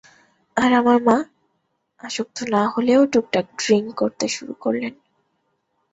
আর আমার মা, আসক্ত না হলেও টুকটাক ড্রিংক করতে শুরু করলো।